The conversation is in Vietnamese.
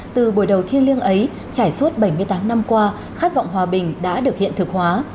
từ buổi đầu thiên liêng ấy trải suốt bảy mươi tám năm qua khát vọng hòa bình đã được hiện thực hóa